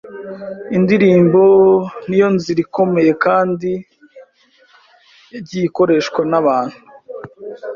Indirimbo niyo nzire ikomeye kendi yegiye ikoreshwe n’ebentu